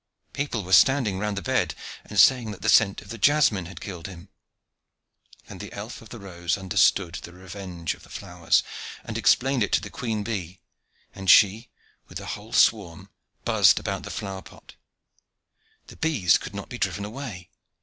People were standing round the bed, and saying that the scent of the jasmine had killed him. Then the elf of the rose understood the revenge of the flowers, and explained it to the queen bee, and she, with the whole swarm, buzzed about the flower pot. The bees could not be driven away.